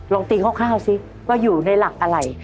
ลองตีคร่าวสิว่าอยู่ในหลักอะไร